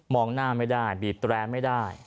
หน้าไม่ได้บีบแตรไม่ได้